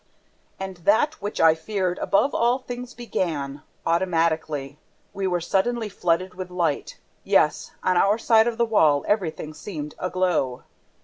And that which I feared above all things began, AUTOMATICALLY. We were suddenly flooded with light! Yes, on our side of the wall, everything seemed aglow.